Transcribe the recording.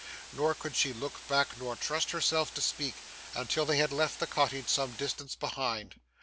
nor could she look back nor trust herself to speak, until they had left the cottage some distance behind.